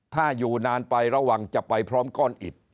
ถ้าอยู่นานไประวังจะไปพร้อมก้อนอิด